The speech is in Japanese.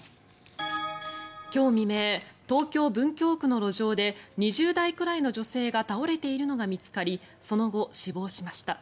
今日未明、東京・文京区の路上で２０代くらいの女性が倒れているのが見つかりその後、死亡しました。